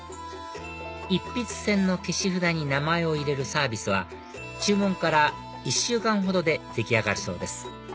一筆箋の消し札に名前を入れるサービスは注文から１週間ほどで出来上がるそうです